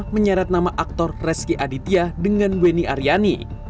menyeret nama aktor reski aditya dengan weni aryani